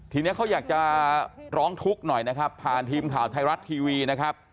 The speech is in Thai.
ทีนี้เขาอยากจะร้องทุกข์หน่อยนะครับผ่านทีมข่าวไทยรัฐทีวีนะครับ